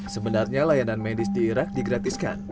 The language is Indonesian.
sebenarnya layanan medis di irak digratiskan